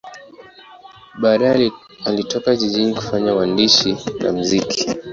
Baadaye alitoka jijini kufanya uandishi na muziki.